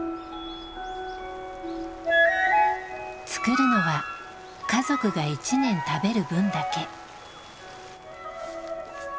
作るのは家族が一年食べる分だけ。